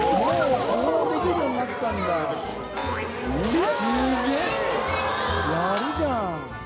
やるじゃん！